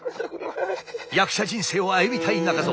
役者人生を歩みたい中蔵。